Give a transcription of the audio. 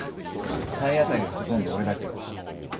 体当たりはほとんど俺だけど。